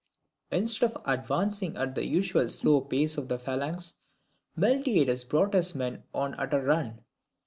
Instead of advancing at the usual slow pace of the phalanx, Miltiades brought his men on at a run.